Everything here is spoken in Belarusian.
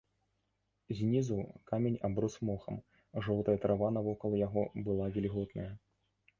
Знізу камень аброс мохам, жоўтая трава навокал яго была вільготная.